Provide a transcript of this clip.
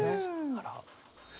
あら。